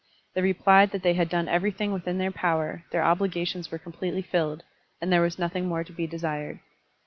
They replied that they had done everything within their power, their obli gations were completely filled, and there was nothing more to be desired.